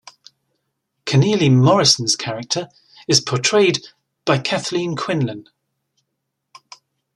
Kennealy-Morrison's character is portrayed by Kathleen Quinlan.